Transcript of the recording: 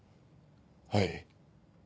はい。